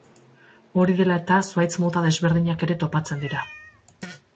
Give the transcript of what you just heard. Hori dela eta zuhaitz mota desberdinak ere topatzen dira.